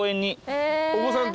お子さんと？